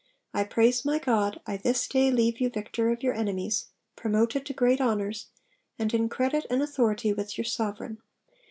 I praise my God, I this day leave you victor of your enemies, promoted to great honours, and in credit and authority with your sovereign.